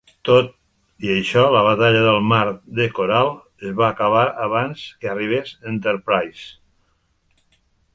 Tot i això, la batalla del Mar de Coral es va acabar abans que arribés "Enterprise".